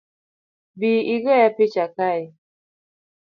Bi igoya picha kae